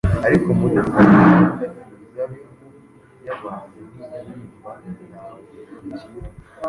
Ariko Muri Divayi-Kanda Imizabibu Yabantu Ntiririmba Ntabwo Yabyina